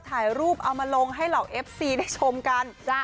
ถ่ายรูปเอามาลงให้เหล่าเอฟซีได้ชมกัน